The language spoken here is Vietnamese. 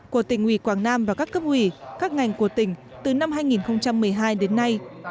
của tỉnh ủy quảng nam và các cấp ủy các ngành của tỉnh từ năm hai nghìn một mươi hai đến nay